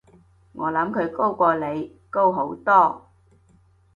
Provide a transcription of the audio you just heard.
我諗佢高過你，高好多